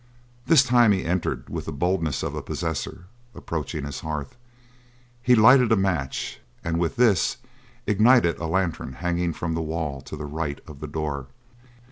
This time he entered with the boldness of a possessor approaching his hearth. He lighted a match and with this ignited a lantern hanging from the wall to the right of the door.